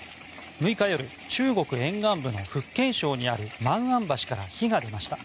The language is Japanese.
６日夜中国沿岸部の福建省にある万安橋から火が出ました。